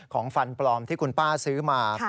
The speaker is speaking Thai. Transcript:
ของฟันปลอมที่คุณป้าซื้อมา